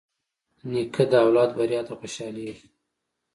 نیکه د اولاد بریا ته خوشحالېږي.